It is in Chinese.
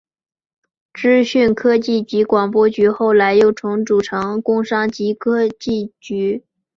资讯科技及广播局后来又重组成工商及科技局。